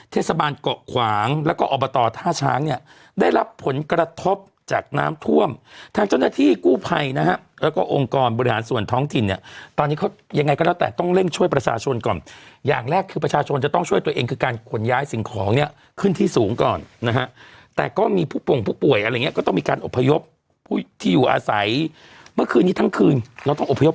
ท่วมทางเจ้าหน้าที่กู้ไพรนะฮะแล้วก็องค์กรบริหารส่วนท้องถิ่นเนี่ยตอนนี้เขายังไงก็แล้วแต่ต้องเร่งช่วยประชาชนก่อนอย่างแรกคือประชาชนจะต้องช่วยตัวเองคือการขนย้ายสิ่งของเนี่ยขึ้นที่สูงก่อนนะฮะแต่ก็มีผู้ป่งผู้ป่วยอะไรอย่างเงี้ยก็ต้องมีการอบพยพที่อยู่อาศัยเมื่อคืนนี้ทั้งคืนเราต้องอบพ